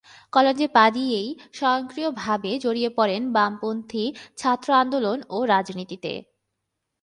কলেজে পা দিয়েই সক্রিয়ভাবে জড়িয়ে পড়েন বামপন্থী ছাত্র আন্দোলন ও রাজনীতিতে।